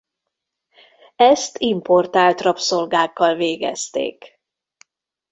Ezt importált rabszolgákkal végezték.